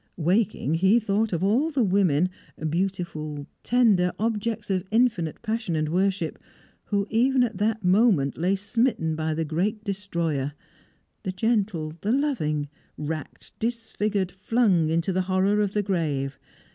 Waking, he thought of all the women beautiful, tender, objects of infinite passion and worship who even at that moment lay smitten by the great destroyer; the gentle, the loving, racked, disfigured, flung into the horror of the grave.